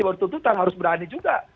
baru dituntutan harus berani juga